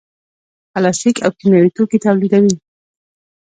پلاستیک او کیمیاوي توکي تولیدوي.